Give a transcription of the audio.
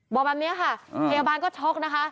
บอกแบบนี้ค่ะพยาบาลก็ช็อกนะคะ